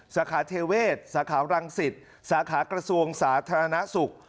สาขาเทเวศสาขารังสิตสาขากระทรวงสาธารณสุข